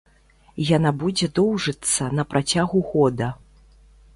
Яна будзе доўжыцца на працягу года.